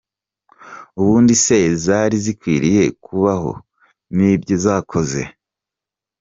Ubundi se zari zikwiriye kubaho nibyo zakoze ?